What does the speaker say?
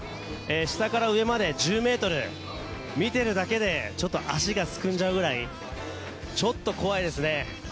下から上まで１０ｍ見ているだけでちょっと足がすくんじゃうぐらいちょっと怖いですね。